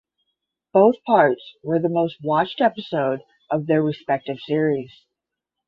Both parts were the most watched episode of their respective series.